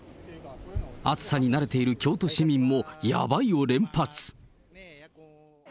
暑さに慣れている京都市民もやばいを連発。